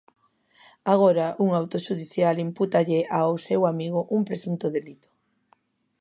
Agora un auto xudicial impútalle ao seu amigo un presunto delito.